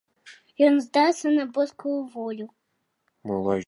Ён здаўся на боскую волю.